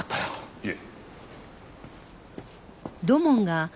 いえ。